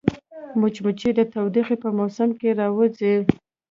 مچمچۍ د تودوخې په موسم کې راووځي